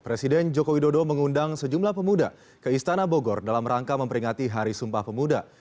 presiden joko widodo mengundang sejumlah pemuda ke istana bogor dalam rangka memperingati hari sumpah pemuda